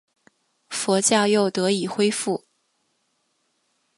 佛教又得以恢复。